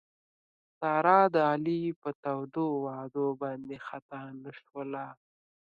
ساره د علي په تودو وعدو باندې خطا نه شوله.